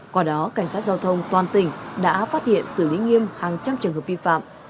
qua đó cảnh sát giao thông toàn tỉnh đã phát hiện xử lý nghiêm hàng trăm trường hợp vi phạm